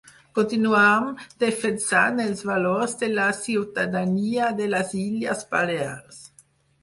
Continuam defensant els valors de la ciutadania de les Illes Balears.